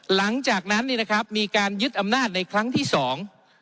หลังจากนั้นนี่นะครับมีการยึดอำนาจในครั้งที่สอง